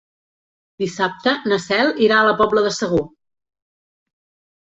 Dissabte na Cel irà a la Pobla de Segur.